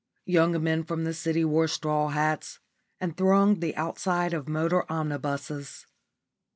Young men from the city wore straw hats and thronged the outside of motor omnibuses.